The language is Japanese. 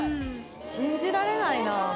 信じられないな。